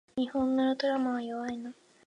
日本のウルトラマンは弱いな